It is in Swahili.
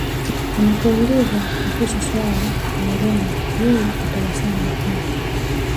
Anapoulizwa kuhusu swala la urembo yeye hutabasamu tu